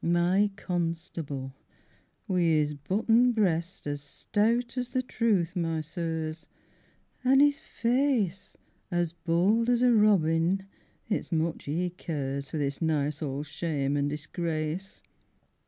My constable wi' 'is buttoned breast As stout as the truth, my sirs! An' 'is face As bold as a robin! It's much he cares For this nice old shame and disgrace.